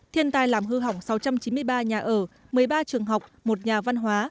thiên tai làm hư hỏng sáu trăm chín mươi ba nhà ở một mươi ba trường học một nhà văn hóa